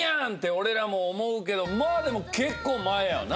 俺らも思うけどまあでも結構前やな。